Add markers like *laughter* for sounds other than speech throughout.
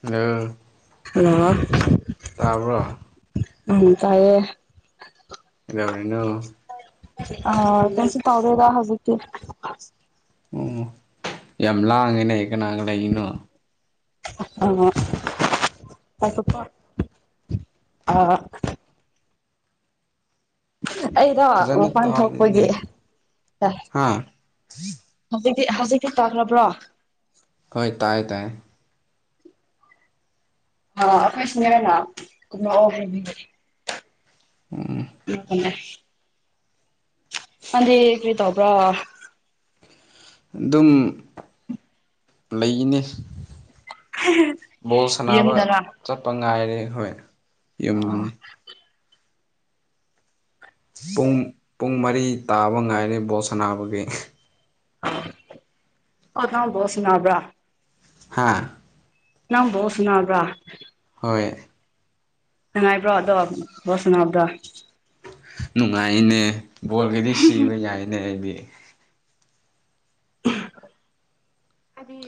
hello hello ꯇꯥꯕ꯭ꯔꯣ ꯎꯝ ꯇꯥꯏꯌꯦ ꯀꯩꯗꯧꯔꯤꯅꯣ ꯑꯥ ꯀꯩꯁꯨ ꯇꯧꯗꯦꯗ ꯍꯧꯖꯤꯛꯇꯤ ꯑꯣ ꯌꯥꯝ ꯂꯥꯡꯉꯦꯅꯦ ꯀꯅꯥꯒ ꯂꯩꯔꯤꯅꯣ *inaudible* ꯑꯥ ꯑꯩꯗꯣ ꯐꯖꯅ ꯃꯄꯥꯟ ꯇꯥꯗꯦꯅꯦ ꯊꯣꯛꯄꯒꯤ ꯍꯥ ꯍꯧꯖꯤꯛ ꯍꯧꯖꯤꯛꯀꯤ ꯇꯥꯈ꯭ꯔꯕ꯭ꯔꯣ ꯍꯣꯏ ꯇꯥꯏꯌꯦ ꯇꯥꯏꯌꯦ ꯑꯥ ꯑꯈꯣꯏ ꯁꯤꯅ꯭ꯌꯔꯅ ꯀꯨꯝꯔꯛꯑꯣ ꯍꯥꯏꯕꯒꯤ ꯎꯝ *unintelligible* ꯅꯪꯗꯤ ꯀꯔꯤ ꯇꯧꯕ꯭ꯔꯥ ꯑꯗꯨꯝ ꯂꯩꯅꯦ ꯕꯣꯜ ꯁꯥꯟꯅꯕ ꯌꯨꯝꯗꯔꯥ ꯆꯠꯄ ꯉꯥꯏꯔꯦ ꯍꯣꯏ ꯑꯣ ꯌꯨꯝꯗꯨꯅꯤ ꯄꯨꯡ ꯄꯨꯡ ꯃꯔꯤ ꯇꯥꯕ ꯉꯥꯏꯔꯦ ꯕꯣꯜ ꯁꯥꯟꯅꯥꯕꯒꯤ ꯑꯣ ꯅꯪ ꯕꯣꯜ ꯁꯅꯥꯕ꯭ꯔꯥ ꯍꯥꯥ ꯅꯪ ꯕꯣꯜ ꯁꯅꯥꯕ꯭ꯔꯥ ꯍꯣꯏ ꯅꯨꯉꯥꯏꯕ꯭ꯔꯣ ꯑꯗꯣ ꯕꯣꯜ ꯁꯅꯥꯕꯗꯣ ꯅꯨꯡꯉꯥꯏꯅꯦ ꯕꯣꯜꯒꯗꯤ ꯁꯤꯕ ꯌꯥꯏꯅꯦ ꯑꯩꯗꯤ ꯍꯥꯏꯗꯤ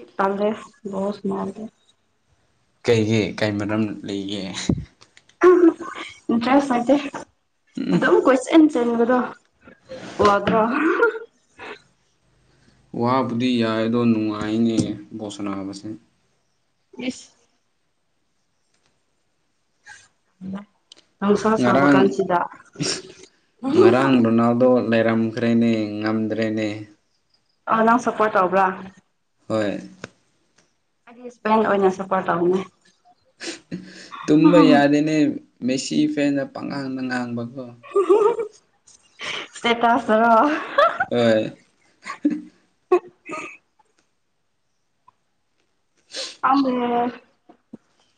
*unintelligible* ꯀꯩꯒꯤ ꯀꯩ ꯃꯔꯝ ꯂꯩꯒꯦ ꯏꯟꯇ꯭ꯔꯦꯁ ꯂꯩꯇꯦ ꯎꯝ ꯑꯗꯨꯝ ꯀꯣꯏꯆꯦꯟ ꯆꯦꯟꯕꯗꯣ ꯋꯥꯗ꯭ꯔꯣ *unintelligible* ꯋꯥꯕꯨꯗꯤ ꯌꯥꯏ ꯗꯣ ꯅꯨꯡꯉꯥꯏꯅꯦ ꯕꯣꯜ ꯁꯅꯥꯕꯁꯦ ꯏꯁ ꯅꯨꯡꯁꯥ ꯁꯥꯕ ꯉꯔꯥꯡ ꯀꯥꯟꯁꯤꯗ ꯉꯔꯥꯡ ꯔꯣꯅꯥꯜꯗꯣ ꯂꯩꯔꯝꯈ꯭ꯔꯦꯅꯦ ꯉꯝꯗ꯭ꯔꯦꯅꯦ ꯑ ꯅꯪ ꯁꯞꯄꯣꯔꯠ ꯇꯧꯕ꯭ꯔꯥ ꯍꯣꯏ ꯑꯩꯗꯤ ꯏꯁꯄꯦꯟ ꯑꯣꯏꯅ ꯁꯐꯣꯔ ꯇꯧꯅꯤꯅꯦ ꯇꯨꯝꯕ ꯌꯥꯗꯦꯅꯦ ꯃꯦꯁꯤ ꯐꯦꯟꯗ ꯄꯪꯉꯥꯡꯗ ꯉꯥꯡꯕ *unintelligible* ꯏꯁꯇꯦꯇꯁ ꯇꯥꯔꯣ ꯍꯣꯏ *unintelligible* *unintelligible* *unintelligible*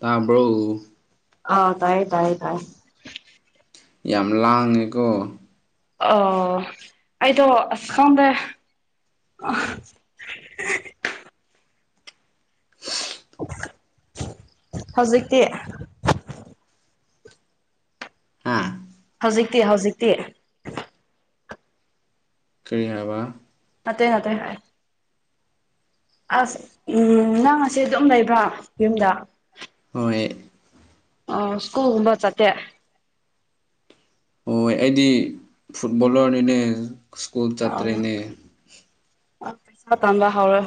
ꯇꯥꯕ꯭ꯔꯣ ꯑꯥ ꯇꯥꯏꯌꯦ ꯇꯥꯏꯌꯦ ꯇꯥꯏꯌꯦ ꯌꯥꯝ ꯂꯥꯡꯉꯦꯀꯣ ꯑꯣ ꯑꯩꯗꯣ ꯑꯁ ꯈꯪꯗꯦ *unintelligible* ꯍꯧꯖꯤꯛꯇꯤ ꯍꯥ ꯍꯧꯖꯤꯛꯇꯤ ꯍꯧꯖꯤꯛꯇꯤ ꯀꯔꯤ ꯍꯥꯏꯕ ꯅꯠꯇꯦ ꯅꯠꯇꯦ ꯑꯁ ꯎꯝ ꯅꯪ ꯉꯁꯝ ꯑꯗꯨꯝ ꯂꯩꯕ꯭ꯔꯥ ꯌꯨꯝꯗ ꯍꯣꯏ ꯑꯥ ꯁꯀꯨꯜꯒꯨꯝꯕ ꯆꯠꯇꯦ ꯍꯣꯏ ꯑꯩꯗꯤ ꯐꯨꯠꯕꯣꯂꯔꯅꯤꯅꯦ ꯁ꯭ꯀꯨꯜ ꯑꯣ ꯆꯠꯇ꯭ꯔꯦꯅꯦ ꯄꯩꯁꯥ ꯇꯥꯟꯕ ꯍꯧꯔꯣ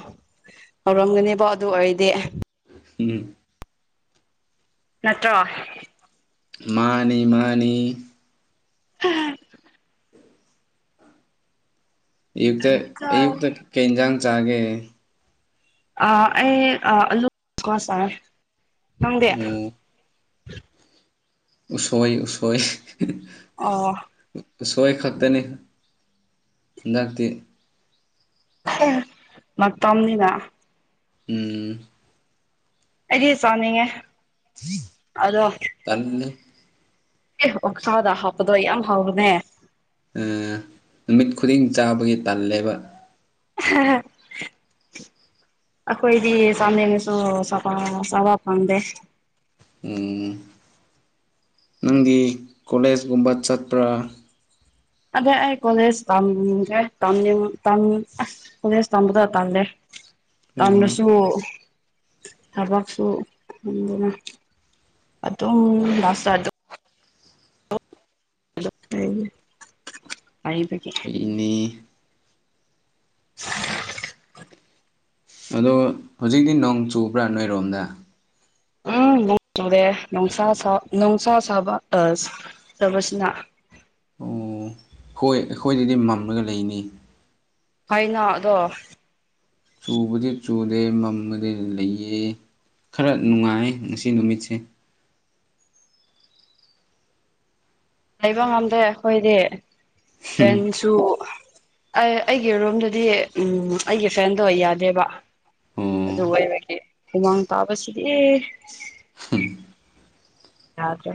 ꯍꯧꯔꯝꯒꯅꯦꯕꯣ ꯑꯗꯨ ꯑꯣꯏꯔꯗꯤ ꯎꯝ ꯅꯠꯇ꯭ꯔꯣ ꯃꯥꯟꯅꯤ ꯃꯥꯟꯅꯤ ꯍꯥ ꯑꯌꯨꯛꯇ ꯑꯌꯨꯛꯇ ꯀꯩ ꯑꯦꯟꯖꯥꯡ ꯆꯥꯒꯦ ꯑꯥ ꯑꯩ ꯑ ꯑꯂꯨ ꯀꯥ ꯆꯥꯔꯦ ꯅꯪꯗꯤ ꯑꯣ ꯎꯁꯣꯏ ꯎꯁꯣꯏ ꯑꯣ ꯎꯁꯣꯏ ꯈꯛꯇꯅꯤ ꯍꯟ ꯗꯛꯇꯤ ꯑꯦ ꯇꯝꯅꯤꯅꯥ ꯎꯝ ꯑꯩꯗꯤ ꯆꯥꯅꯤꯡꯉꯦ ꯑꯗꯣ ꯇꯟꯂꯤ ꯑꯦ ꯑꯣꯛꯁꯥꯥꯗ ꯍꯥꯞꯄꯗꯣ ꯌꯥꯝ ꯍꯥꯎꯕꯅꯦ ꯑꯝ ꯅꯨꯃꯤꯠ ꯈꯨꯗꯤꯡ ꯆꯥꯕꯒꯤ ꯇꯜꯂꯦꯕ *unintelligible* ꯑꯈꯣꯏꯗꯤ ꯆꯥꯟꯅꯤꯡꯉꯁꯨ ꯆꯥꯕ ꯆꯥꯕ ꯐꯪꯗꯦ ꯎꯝ ꯅꯪꯗꯤ ꯀꯣꯂꯦꯖꯀꯨꯝꯕ ꯆꯠꯄ꯭ꯔꯥ ꯑꯗꯣ ꯑꯩ ꯀꯣꯂꯦꯖ ꯇꯝꯒꯦ ꯇꯝꯅꯤꯡ ꯇꯝꯅꯤꯡ ꯑꯁ ꯀꯣꯂꯦꯖ ꯇꯝꯕꯗꯣ ꯇꯜꯂꯦ ꯎꯝ ꯇꯝꯔꯁꯨ ꯊꯕꯛꯁꯨ ꯐꯪꯗꯅꯥ ꯑꯗꯨꯝ ꯂꯥꯁꯇ ꯑꯗꯨ ꯀꯩꯒꯤ ꯐꯩꯅꯤ *inaudible* ꯑꯗꯣ ꯍꯧꯖꯤꯛꯇꯤ ꯅꯣꯡ ꯆꯨꯕ꯭ꯔꯥ ꯅꯣꯏꯔꯣꯝꯗ ꯎꯝ ꯅꯣꯡ ꯆꯨꯔꯦ ꯅꯨꯡꯁꯥ ꯁꯥ ꯅꯨꯡꯁꯥ ꯁꯥꯕ ꯑꯁ ꯁꯕꯁꯤꯅ ꯑꯣ ꯍꯣꯏ ꯑꯈꯣꯏꯗꯗꯤ ꯃꯝꯂꯒ ꯂꯩꯅꯤ ꯀꯩꯅꯣ ꯑꯗꯣ ꯆꯨꯕꯗꯤ ꯆꯨꯗꯦ ꯃꯝꯕꯗꯤ ꯂꯩꯌꯦ ꯈꯔ ꯅꯨꯡꯉꯥꯏ ꯉꯁꯤ ꯅꯨꯃꯤꯠꯁꯤ *inaudible* ꯂꯩꯕ ꯉꯝꯗꯦ ꯑꯈꯣꯏꯗꯤ ꯐꯦꯟꯁꯨ ꯑꯩ ꯑꯩꯒꯤ ꯔꯨꯝꯗꯨꯗꯤ ꯎꯝ ꯑꯩꯒꯤ ꯐꯦꯟꯗꯣ ꯌꯥꯗꯦꯕ ꯑꯣ ꯑꯗꯨ ꯑꯣꯏꯕꯒꯤ ꯍꯨꯃꯥꯡ ꯇꯥꯕꯁꯤꯗꯤ ꯌꯥꯗ꯭ꯔꯦ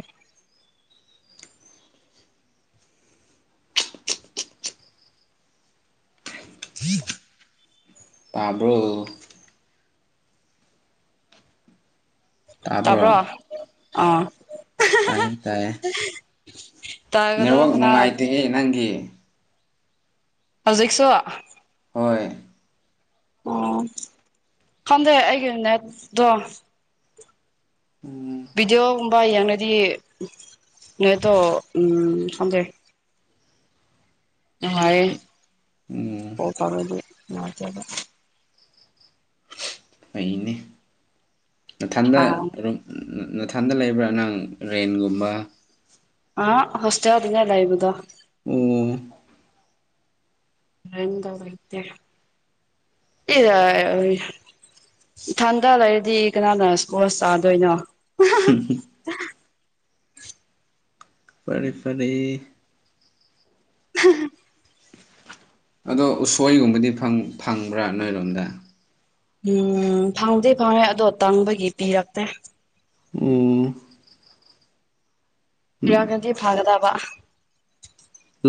ꯄꯥꯕ꯭ꯔꯣ ꯇꯥꯕ꯭ꯔꯣ ꯑꯥ ꯇꯥꯏꯌꯦ ꯇꯥꯏꯌꯦ *inaudible* ꯅꯦꯠꯋꯥꯛ ꯀꯅꯥ ꯅꯨꯡꯉꯥꯏꯇꯦꯍꯦ ꯅꯪꯒꯤ ꯍꯧꯖꯤꯛꯁꯨ ꯍꯣꯏ ꯑꯣ ꯈꯪꯗꯦ ꯑꯩꯒꯤ ꯅꯦꯠꯗꯣ ꯎꯝ ꯕꯤꯗꯤꯑꯣꯒꯨꯝꯕ ꯌꯦꯡꯉꯗꯤ ꯅꯦꯠꯇꯣ ꯎꯝ ꯈꯪꯗꯦ ꯅꯨꯡꯉꯥꯏꯌꯦ ꯎꯝ ꯀꯣꯜ ꯇꯧꯔꯗꯤ ꯅꯨꯉꯥꯏꯇꯕ ꯐꯩꯅꯦ ꯅꯊꯟꯗ ꯔꯨꯝ ꯅꯊꯟꯗ ꯂꯩꯕ꯭ꯔꯥ ꯅꯪ ꯔꯦꯟꯒꯨꯝꯕ ꯑꯥ ꯍꯣꯁꯇꯦꯜꯗꯅꯦ ꯂꯩꯕꯗꯣ ꯑꯣ ꯔꯦꯟꯗ ꯂꯩꯇꯦ ꯏꯌꯥ ꯊꯟꯗ ꯂꯩꯔꯗꯤ ꯀꯅꯥꯅ ꯁ꯭ꯀꯣꯁ ꯆꯥꯗꯣꯏꯅꯣ ꯐꯔꯦ ꯐꯔꯦ *unintelligible* ꯑꯗꯣ ꯎꯁꯣꯏꯒꯨꯝꯕꯗꯤ ꯐꯪ ꯐꯪꯕ꯭ꯔꯥ ꯅꯣꯏꯔꯣꯝꯗ ꯎꯝ ꯐꯪꯗꯦ ꯐꯪꯉꯦ ꯑꯗꯣ ꯇꯪꯕꯒꯤ ꯄꯤꯔꯛꯇꯦ ꯎꯝ ꯄꯔꯒꯖꯤ ꯐꯥꯒꯗꯕ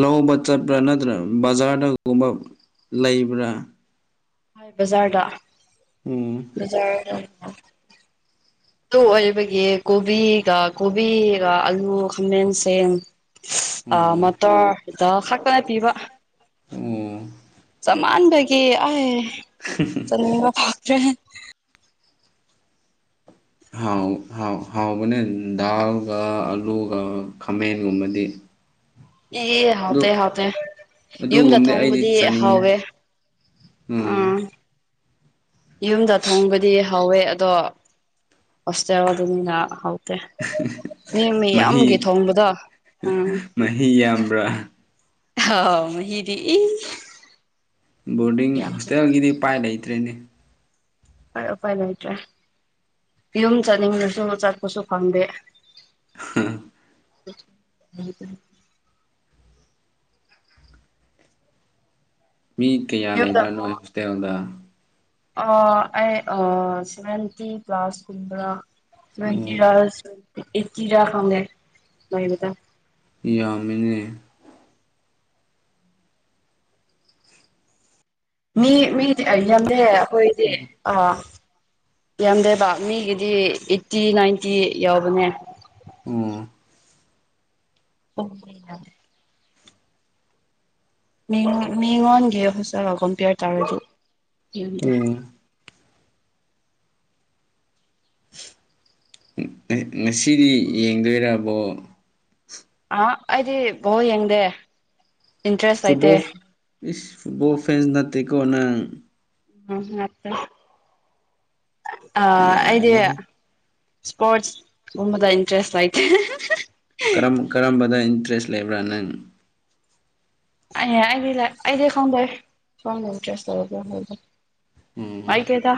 ꯑꯧꯕ ꯆꯠꯄ꯭ꯔꯥ ꯅꯠꯇ꯭ꯔꯥ ꯕꯖꯥꯔꯗꯒꯨꯝꯕ ꯂꯩꯕ꯭ꯔꯥ ꯕꯖꯥꯔꯗ ꯎꯝ ꯕꯖꯥꯔꯗ *inaudible* ꯑꯗꯨ ꯑꯣꯏꯕꯒꯤ ꯀꯣꯕꯤꯒ ꯀꯣꯕꯤꯒ ꯑꯂꯨ ꯈꯥꯃꯦꯟ ꯁꯤꯟ ꯑꯥ ꯑꯣ ꯃꯇꯔ ꯗ ꯍꯛꯇꯅ ꯄꯤꯕ ꯑꯣ ꯆꯥꯃꯟꯕꯒꯤ ꯑꯥꯏ ꯆꯥꯅꯤꯡꯕ ꯐꯥꯎꯗ꯭ꯔꯦ ꯍꯥꯎ ꯍꯥꯎ ꯍꯥꯎꯕꯅꯦ ꯗꯥꯜꯒ ꯑꯂꯨꯒ ꯈꯥꯃꯦꯟꯒꯨꯝꯕꯗꯤ ꯏ ꯑꯗꯨ ꯍꯥꯎꯇꯦ ꯍꯥꯎꯇꯦ ꯌꯨꯝꯗ ꯑꯗꯨꯒꯨꯝꯕꯗꯤ ꯑꯩꯗꯤ ꯊꯣꯡꯕꯗꯤ ꯆꯥꯅꯤꯡ ꯍꯥꯎꯋꯦ ꯎꯝ ꯌꯨꯝꯗ ꯊꯣꯡꯕꯗꯤ ꯍꯥꯎꯋꯦ ꯑꯗꯣ ꯍꯣꯁꯇꯦꯜꯗꯅꯤꯅ ꯍꯥꯎ ꯇꯦ ꯃꯤ ꯃꯍꯤ ꯃꯌꯥꯝꯒꯤ ꯊꯣꯡꯕꯗꯣ ꯎꯝ ꯃꯍꯤ ꯌꯥꯝꯕ꯭ꯔꯥ ꯑꯧ ꯃꯍꯤꯗꯤ ꯏꯁ ꯕꯣꯔꯗꯤꯡ ꯍꯣꯁꯇꯦꯜꯒꯤꯗꯤ ꯎꯄꯥꯏ ꯂꯩꯇ꯭ꯔꯦꯅꯦ *unintelligible* ꯎꯄꯥꯏ ꯂꯩꯇ꯭ꯔꯦ ꯌꯨꯝ ꯆꯠꯅꯤꯡꯂꯁꯨ ꯆꯠꯄꯁꯨ ꯐꯪꯗꯦ *unintelligible* *unintelligible* ꯃꯤ ꯀꯌꯥ ꯂꯩꯕ꯭ꯔꯥ ꯅꯣꯏ ꯍꯣꯁꯇꯦꯜꯗ ꯑꯥ ꯑꯩ ꯑꯥ ꯁꯚꯦꯟꯇꯤ ꯄ꯭ꯂꯁ ꯀꯨꯝꯕ꯭ꯔ ꯑꯣ ꯁꯚꯦꯟꯇꯤꯔ *unintelligible* ꯑꯦꯠꯇꯤꯔ ꯈꯪꯗꯦ ꯂꯩꯕꯗ ꯌꯥꯝꯃꯤꯅꯦ ꯃꯤ ꯃꯤꯗꯤ ꯑꯥ ꯌꯥꯝꯗꯦ ꯑꯈꯣꯏꯗꯤ ꯑꯥ ꯌꯥꯝꯗꯦꯕ ꯃꯤꯒꯤꯗꯤ ꯑꯩꯠꯇꯤ ꯅꯥꯏꯟꯇꯤ ꯌꯧꯕꯅꯦ ꯎꯝ *unintelligible* ꯃꯤꯉꯣꯟ ꯃꯤꯉꯣꯟꯒꯤ ꯍꯣꯁꯇꯦꯜꯒ ꯀꯣꯝꯄꯤꯌ꯭ꯔ ꯇꯧꯔꯗꯤ ꯌꯥꯝꯗꯦ ꯑꯣ ꯎꯝꯑꯦ ꯉꯁꯤꯗꯤ ꯌꯦꯡꯗꯨꯏꯔ ꯕꯣꯜ ꯑꯥ ꯑꯩꯗꯤ ꯕꯣꯜ ꯌꯦꯡꯗꯦ ꯏꯟꯇꯔꯦꯁ ꯂꯩꯇꯦ ꯐꯨꯠꯕꯣꯜ ꯏꯁ ꯐꯨꯠꯕꯣꯜ ꯐꯦꯟꯁ ꯅꯠꯇꯦꯀꯣꯪꯅꯪ ꯎꯝ ꯅꯠꯇꯦ ꯑꯥ ꯑꯩꯗꯤ ꯌꯥꯔꯦꯍꯦ ꯏꯁꯄꯣꯔꯠꯁ ꯒꯨꯝꯕꯗ ꯏꯟꯇ꯭ꯔꯦꯁ ꯂꯩ *unintelligible* ꯀꯔꯝ ꯀꯔꯝꯕꯗ ꯏꯟꯇ꯭ꯔꯦꯁ ꯂꯩꯕ꯭ꯔꯥ ꯅꯪ *unintelligible* ꯑꯩꯗꯤ ꯈꯪꯗꯦ *unintelligible* ꯎꯝ ꯄꯥꯏꯗꯦꯗ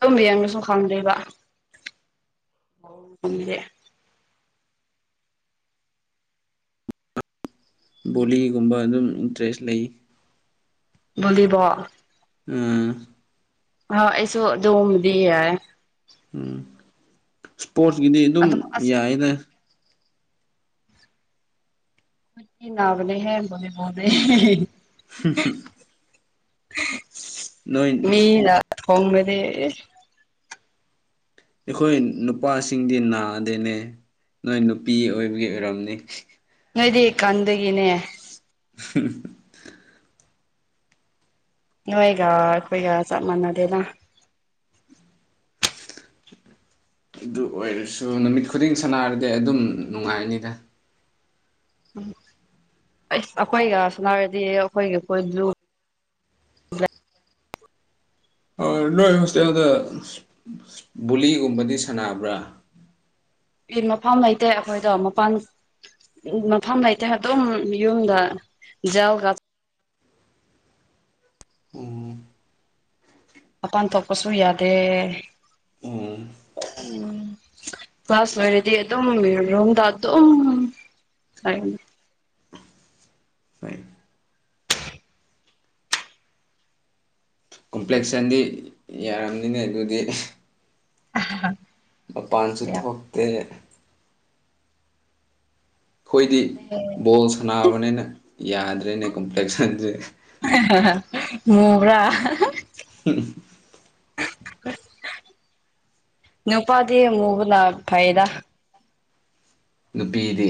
ꯑꯗꯨꯝ ꯌꯦꯡꯔꯁꯨ ꯈꯪꯗꯨꯏꯕ *unintelligible* ꯕꯣꯂꯤꯒꯨꯝꯕ ꯑꯗꯨꯝ ꯏꯟꯇ꯭ꯔꯦꯁ ꯂꯩ ꯕꯣꯂꯤꯕꯣꯜ ꯎꯝ ꯑꯥ ꯑ꯭꯭ꯩꯁꯨ ꯃꯗꯨꯒꯨꯝꯕꯗꯤ ꯌꯥꯏ ꯎꯝ ꯏꯁꯄꯣ꯭ꯔꯠꯁꯀꯤꯗꯤ ꯑꯗꯨꯝ ꯑꯗꯣ ꯑꯁ ꯌꯥꯏꯗ ꯈꯨꯠꯇꯤ ꯅꯥꯕꯅꯦꯍꯦ ꯕꯣꯂꯤ ꯕꯣꯜꯗꯤ ꯍꯦꯍꯦ ꯍꯨꯝ ꯍꯨꯝ ꯃꯤꯅ ꯊꯣꯡꯔꯗꯤ ꯑꯩꯈꯣꯏ ꯅꯨꯄꯥꯁꯤꯡꯗꯤ ꯅꯥꯗꯦꯅꯦ ꯅꯣꯏ ꯅꯨꯄꯤ ꯑꯣꯏꯕꯒꯤ ꯑꯣꯏꯔꯝꯅꯤ ꯅꯣꯏꯗꯤ ꯀꯟꯗꯒꯤꯅꯦ ꯍꯤ ꯍꯝ ꯅꯣꯏꯒ ꯑꯩꯈꯣꯏꯒ ꯆꯞ ꯃꯥꯟꯅꯗꯦꯅ *unintelligible* ꯑꯗꯨ ꯑꯣꯏꯔꯁꯨ ꯅꯨꯃꯤꯠ ꯈꯨꯗꯤꯡ ꯁꯥꯟꯅꯔꯗꯤ ꯑꯗꯨꯝ ꯅꯨꯡꯉꯥꯏꯅꯤꯗ ꯎꯝ ꯑꯩꯁ ꯑꯩꯈꯣꯏꯒ ꯁꯅꯔꯗꯤ ꯑꯩꯈꯣꯏꯒꯤ ꯀꯣꯏꯕꯗꯨ ꯅꯣꯏ ꯍꯣꯁꯇꯦꯜꯗ ꯕꯨꯂꯤꯒꯨꯝꯕꯗꯤ ꯁꯥꯟꯅꯕ꯭ꯔꯥ *inaudible* ꯃꯐꯝ ꯂꯩꯇꯦ ꯑꯩꯈꯣꯏꯗꯣ ꯃꯄꯥꯟ ꯃꯐꯝ ꯂꯩꯇꯦ ꯑꯗꯨꯝ ꯌꯨꯝꯗ ꯖꯦꯜꯒ ꯎꯝ ꯃꯄꯥꯟ ꯊꯣꯛꯄꯁꯨ ꯌꯥꯗꯦ ꯎꯝ ꯎꯝ ꯀ꯭ꯂꯥꯁ ꯂꯣꯏꯔꯗꯤ ꯑꯗꯨꯝ ꯔꯨꯝꯗ ꯑꯗꯨꯝ ꯂꯩꯔꯅꯤ ꯍꯣꯏ ꯀꯝꯄ꯭ꯂꯦꯛꯁꯟꯗꯤ ꯌꯥꯔꯝꯅꯤꯅꯦ ꯑꯗꯨꯗꯤ ꯃꯄꯥꯟꯁꯨ ꯊꯣꯛꯇꯦ ꯑꯩꯈꯣꯏꯗꯤ ꯕꯣꯜ ꯁꯥꯟꯅꯕꯅꯤꯅ ꯌꯥꯗ꯭ꯔꯦꯅꯦ ꯀꯝꯄ꯭ꯂꯦꯛꯁꯟꯁꯦ ꯍꯥꯥꯍꯥ ꯃꯨꯕꯔꯥ ꯅꯨꯄꯥꯗꯤ ꯃꯨꯕꯅ ꯐꯩꯗ ꯅꯨꯄꯤꯗꯤ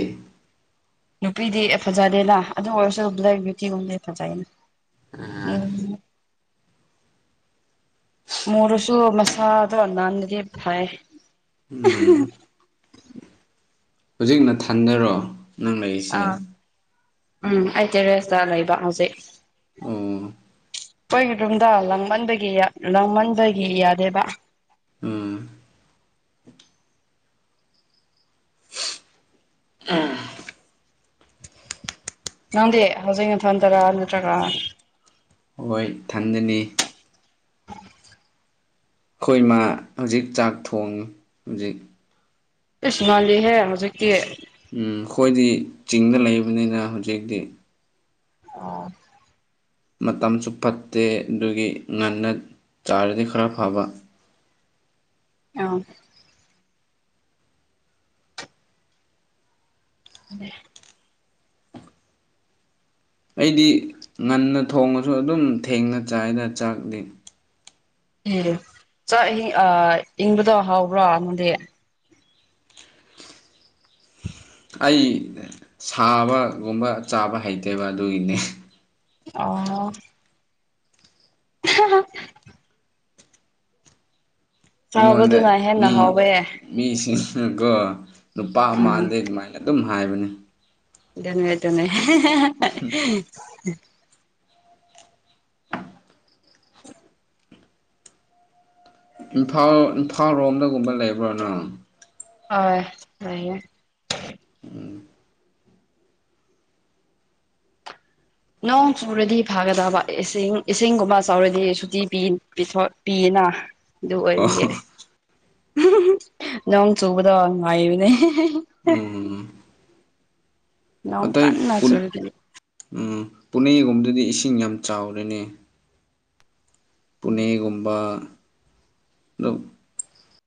ꯅꯨꯄꯤꯗꯤ ꯐꯖꯗꯦꯅ ꯑꯗꯨ ꯑꯣꯏꯔꯁꯨ ꯕ꯭ꯂꯦꯛ ꯅꯨꯄꯤꯒꯨꯝꯕꯗꯤ ꯐꯖꯩꯅ ꯎꯝ ꯃꯨꯔꯁꯨ ꯃꯁꯥꯗꯣ ꯅꯥꯟꯕꯗꯤ ꯐꯩ ꯎꯝ ꯍꯧꯖꯤꯛ ꯊꯟꯗꯔꯣ ꯅꯪ ꯂꯩꯔꯤꯁꯦ ꯑꯥ ꯎꯝ ꯑꯩ ꯇꯦꯔꯦꯁꯇ ꯂꯩꯕ ꯍꯧꯖꯤꯛ ꯑꯣ ꯑꯩꯈꯣꯏꯒꯤ ꯔꯨꯝꯗ ꯂꯥꯡꯃꯟꯕꯒꯤ ꯂꯥꯡꯃꯟꯕꯒꯤ ꯌꯥꯗꯦꯕ ꯎꯝ *unintelligible* ꯅꯪꯗꯤ ꯍꯧꯖꯤꯛ ꯅꯊꯟꯇꯔꯥ ꯅꯠꯇꯔꯒ ꯍꯣꯏ ꯊꯟꯗꯅꯤ ꯑꯩꯈꯣꯏ ꯃꯥ ꯍꯧꯖꯤꯛ ꯆꯥꯛ ꯊꯣꯡꯉꯤ ꯍꯧꯖꯤꯛ ꯏꯁ ꯉꯜꯂꯤ ꯍꯦ ꯍꯧꯖꯤꯛꯇꯤ ꯎꯝ ꯑꯩꯈꯣꯏꯗꯤ ꯆꯤꯡꯗ ꯂꯩꯕꯅꯤꯅ ꯍꯧꯖꯤꯛꯇꯤ ꯑ ꯃꯇꯝꯁꯨ ꯐꯠꯇꯦ ꯑꯗꯨꯒꯤ ꯉꯟꯅ ꯆꯥꯔꯗꯤ ꯈꯔ ꯐꯕ ꯑ *unintelligible* ꯑꯩꯗꯤ ꯉꯟꯅ ꯊꯣꯡꯉꯁꯨ ꯑꯗꯨꯝ ꯊꯦꯡꯅ ꯆꯥꯏꯗ ꯆꯥꯛꯇꯤ ꯎ ꯆꯥꯛ ꯑ ꯏꯪꯕꯗꯣ ꯍꯥꯎꯕ꯭ꯔꯣ ꯅꯪꯗꯤ ꯑꯩ ꯁꯥꯕꯒꯨꯝꯕ ꯆꯥꯕ ꯍꯩꯇꯦꯕ ꯑꯗꯨꯒꯤꯅꯤ ꯑꯣ ꯍꯥꯍꯥꯍꯥ ꯑꯩꯉꯣꯟꯗ ꯆꯥꯕꯗꯨꯅ ꯍꯦꯟꯅ ꯃꯤ ꯍꯥꯎꯋꯦ ꯃꯤꯁꯤꯡ ꯀꯣ ꯅꯨꯄꯥ ꯎꯝ ꯃꯥꯟꯗꯦ ꯑꯗꯨꯃꯥꯏꯅ ꯑꯗꯨꯝ ꯍꯥꯏꯕꯅꯦ ꯑꯗꯨꯅꯦ ꯑꯗꯨꯅꯦ ꯍꯥꯍꯥꯍꯥ ꯏꯝꯐꯥꯜ ꯏꯝꯐꯥꯜ ꯔꯣꯝꯗꯒꯨꯝꯕ ꯂꯩꯕ꯭ꯔꯣ ꯅꯪ ꯑꯣꯏ ꯂꯩꯌꯦ ꯎꯝ ꯅꯣꯡ ꯆꯨꯔꯗꯤ ꯐꯥꯒꯗꯕ ꯏꯁꯤꯡ ꯏꯁꯤꯡꯒꯨꯝꯕ ꯆꯥꯎꯔꯗꯤ ꯁꯨꯇꯤ ꯄꯤ ꯄꯤꯊꯣꯛ ꯄꯤ ꯅꯥ ꯑꯗꯨ ꯑꯣ ꯑꯣꯏꯕꯒꯤ ꯍꯨꯝ ꯍꯨꯝ ꯅꯣꯡ ꯆꯨꯕꯗꯣ ꯉꯥꯏꯕꯅꯦ ꯍꯦ ꯍꯦ ꯎꯝ ꯅꯣꯡ ꯑꯇꯩ ꯀꯟꯅ ꯄꯨꯟ ꯆꯨꯔꯗꯤ ꯎꯝ ꯄꯨꯅꯦꯒꯨꯝꯗꯗꯤ ꯏꯁꯤꯡ ꯌꯥꯝ ꯆꯥꯎꯔꯦꯅꯦ ꯄꯨꯅꯦꯒꯨꯝꯕꯥ ꯗꯣ